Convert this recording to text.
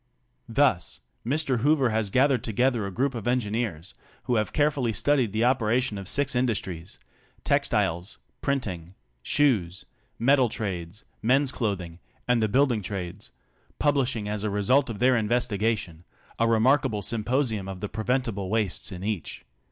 Thus Mr, Hoover has gathered together a group of engineers who have carefully ro studied the operation of six industries — textiles, printing, ^ shoes, metal trades, men's clothing and the building trades — publishing, as a result of their investigation, a remarkable symposium on the preventible wastes in each'.